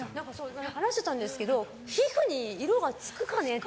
話してたんですけど皮膚に色がつくかねって。